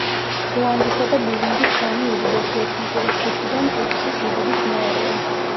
რუანდის და ბურუნდის სამი უდიდესი ეთნიკური ჯგუფიდან ტუტსი სიდიდით მეორეა.